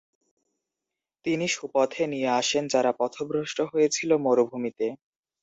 তিনি সুপথে নিয়ে আসেন যারা পথভ্রষ্ট হয়েছিল মরুভূমিতে।